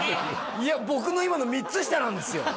いや僕の今の３つ下なんですよ